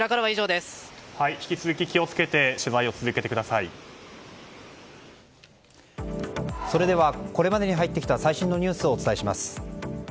引き続き、気を付けてそれではこれまでに入ってきた最新のニュースをお伝えします。